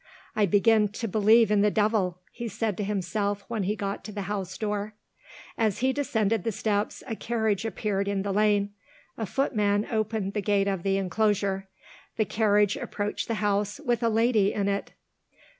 "I begin to believe in the devil," he said to himself when he got to the house door. As he descended the steps, a carriage appeared in the lane. A footman opened the gate of the enclosure. The carriage approached the house, with a lady in it.